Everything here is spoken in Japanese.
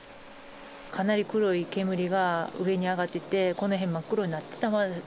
かなり黒い煙が上に上がってて、この辺、真っ黒になってた。